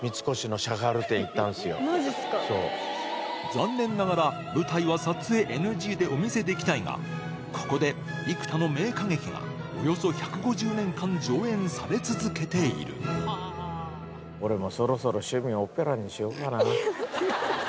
残念ながら舞台は撮影ＮＧでお見せできないがここで幾多の名歌劇がおよそ１５０年間上演され続けている俺も。